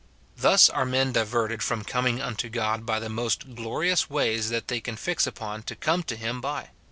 Thus are men diverted from coming unto God by the most glorious ways that they can fix upon to come to him by.